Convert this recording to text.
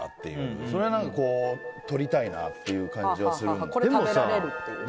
それはとりたいなという感じはするので。